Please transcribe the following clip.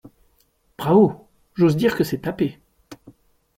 Bravo ! j’ose dire que c’est tapé !